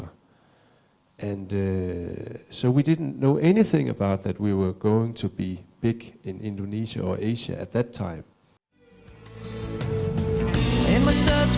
bahwa kita akan menjadi besar di indonesia atau asia pada saat itu